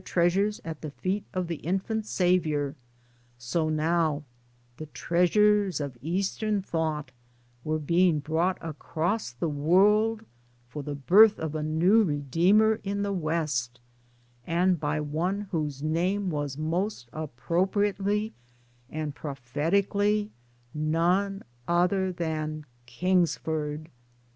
245 treasures at the feet of the infant Saviour, so now the treasures of Eastern thought were being brought across the world for the birth of a new Redeemer in the West, and by one whose name was most appropriately and prophetically none other than Kings ford